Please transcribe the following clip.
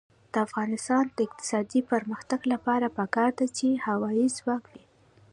د افغانستان د اقتصادي پرمختګ لپاره پکار ده چې هوایی ځواک وي.